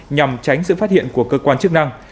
nhằm tránh sự phát hiện của cơ quan chức năng